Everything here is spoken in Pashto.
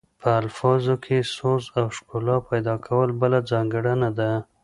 په الفاظو کې سوز او ښکلا پیدا کول بله ځانګړنه ده